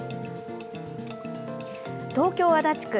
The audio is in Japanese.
東京・足立区。